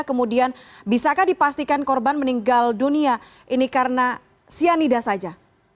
kemudian bisakah dipastikan korban meninggal dunia ini karena cyanida saja